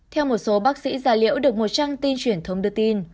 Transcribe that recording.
theo một số bác sĩ gia liễu được một trang tin truyền thông đưa tin